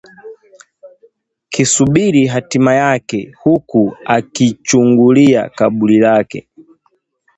kisubiri hatima yake huku ukichungulia kaburi lake